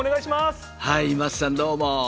桝さん、どうも。